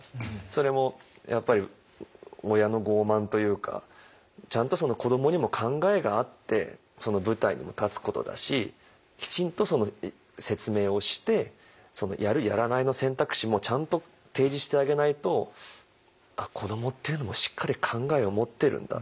それもやっぱり親の傲慢というかちゃんと子どもにも考えがあって舞台にも立つことだしきちんとその説明をしてやるやらないの選択肢もちゃんと提示してあげないと子どもっていうのもしっかり考えを持ってるんだ